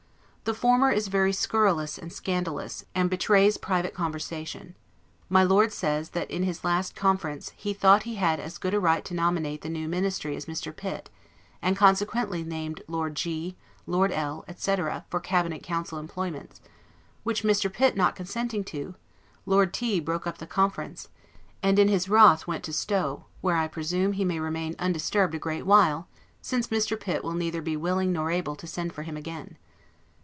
The former is very scurrilous and scandalous, and betrays private conversation. My Lord says, that in his last conference, he thought he had as good a right to nominate the new Ministry as Mr. Pitt, and consequently named Lord G , Lord L , etc., for Cabinet Council employments; which Mr. Pitt not consenting to, Lord T broke up the conference, and in his wrath went to Stowe; where I presume he may remain undisturbed a great while, since Mr. Pitt will neither be willing nor able to send for him again.